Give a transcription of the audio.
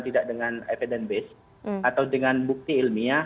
tidak dengan evidence base atau dengan bukti ilmiah